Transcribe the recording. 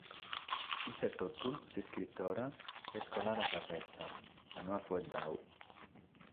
Issa etotu, s’iscritora, est colada a sa festa, ma no at faeddadu.